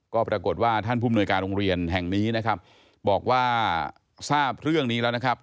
ก็ปรากฏว่าท่านผู้มนวยการโรงเรียนแห่งนี้นะครับบอกว่าทราบเรื่องนี้แล้วนะครับ